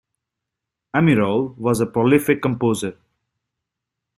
Amirov was a prolific composer.